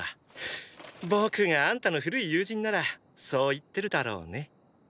僕があんたの古い友人ならそう言ってるだろうね。